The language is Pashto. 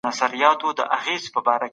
سبزي خوړل د بدن دفاعي سیسټم قوي کوي.